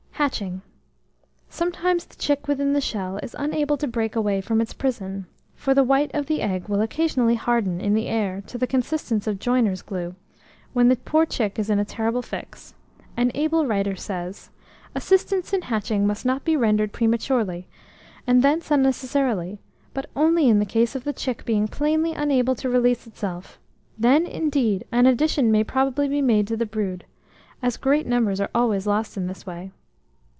HATCHING. Sometimes the chick within the shell is unable to break away from its prison; for the white of the egg will occasionally harden in the air to the consistence of joiners' clue, when the poor chick is in a terrible fix. An able writer says, "Assistance in hatching must not be rendered prematurely, and thence unnecessarily, but only in the case of the chick being plainly unable to release itself; then, indeed, an addition may probably be made to the brood, as great numbers are always lost in this way.